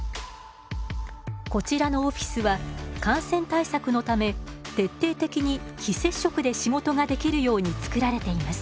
こちらのオフィスは感染対策のため徹底的に非接触で仕事ができるようにつくられています。